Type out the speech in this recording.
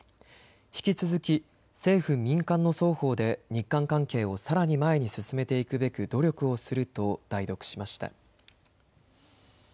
引き続き政府、民間の双方で日韓関係をさらに前に進めていくべく努力をすると代読しました。